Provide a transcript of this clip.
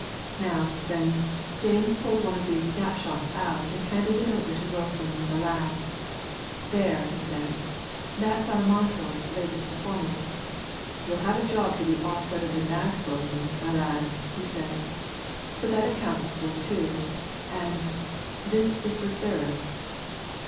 Now, then, James pulled one of these snapshots out and handed it over to Wilson with a laugh. 'There,' he says, 'that's our Marshall's latest performance you'll have a job to do aught better than that, Wilson, my lad,' he says. So that accounts for two. And this is the third!"